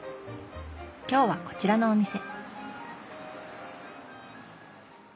今日はこちらのお店。